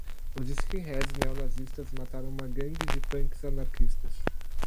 Os skinheads neonazistas mataram uma gangue de punks anarquistas